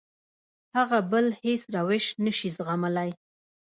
هغه بل هېڅ روش نه شي زغملی.